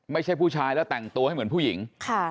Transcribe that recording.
ไม่ใช่ผู้ชายแล้วแต่งตัวให้เหมือนผู้หญิง